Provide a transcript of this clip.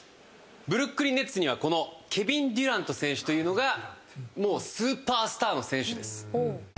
ブルックリン・ネッツにはこのケビン・デュラント選手というのがもうスーパースターの選手です。